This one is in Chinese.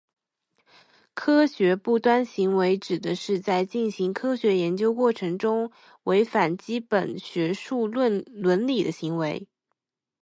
科学不端行为指的是在进行科学研究过程中违反基本学术伦理的行为。